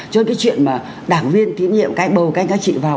cho nên cái chuyện mà đảng viên tín nhiệm cái bầu các anh các chị vào